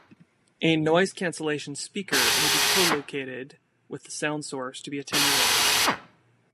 A noise-cancellation speaker may be co-located with the sound source to be attenuated.